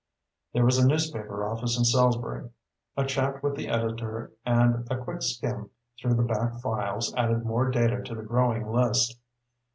There was a newspaper office in Salisbury. A chat with the editor and a quick skim through the back files added more data to the growing list.